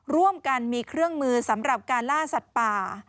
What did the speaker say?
ร่วมกันมีเครื่องมือสำหรับการล่าสัตว์ป่า